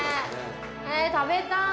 えっ食べたい！